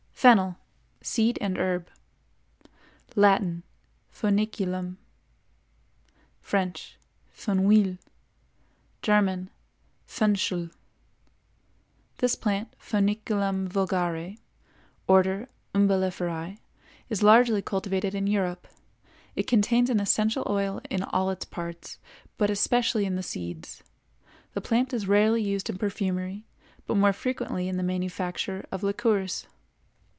FENNEL (SEED AND HERB). Latin—Fœniculum; French—Fenouil; German—Fenchel. This plant, Fœniculum vulgare, Order Umbelliferæ, is largely cultivated in Europe. It contains an essential oil in all its parts, but especially in the seeds. The plant is rarely used in perfumery, but more frequently in the manufacture of liqueurs.